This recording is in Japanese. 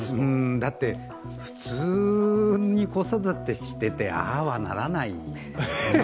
だって、普通に子育てしてて、ああはならない。